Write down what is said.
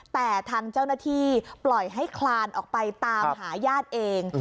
แต่ทางเจ้าหน้าที่ปล่อยให้คลานออกไปตามหาญาติเอง